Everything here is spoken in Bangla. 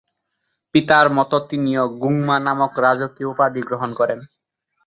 পিতার মত তিনিও গোং-মা নামক রাজকীয় উপাধি গ্রহণ করেন।